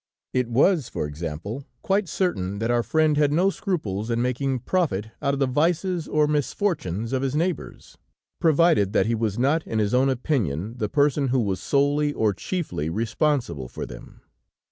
It was, for example, quite certain that our friend had no scruples in making profit out of the vices or misfortunes of his neighbors, provided that he was not in his own opinion, the person who was solely, or chiefly responsible for them.